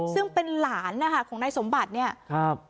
ซึ่งเป็นหลานนะคะของนายสมบัติเนี่ยครับ